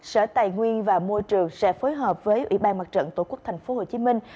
sở tài nguyên và môi trường sẽ phối hợp với ủy ban mặt trận tổ quốc thành phố hồ chí minh